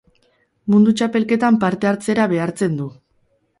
Mundu Txapelketan parte hartzera behartzen du.